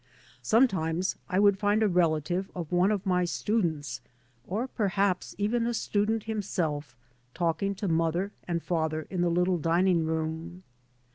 Some times I would find a relative of one of my students, or perhaps even a student himself, talking to mother and father in the little dim ing room.